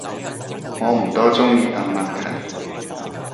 我唔多中意答問題